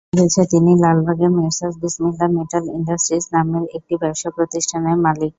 জানা গেছে, তিনি লালবাগে মেসার্স বিসমিল্লাহ মেটাল ইন্ডাস্ট্রিজ নামের একটি ব্যবসাপ্রতিষ্ঠানের মালিক।